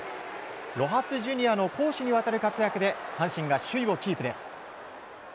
ロハス・ジュニアの攻守にわたる活躍で阪神が首位をキープです。